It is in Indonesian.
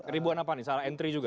ribuan apa nih salah entry juga